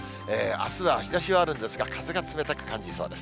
あすは日ざしはあるんですが、風が冷たく感じそうです。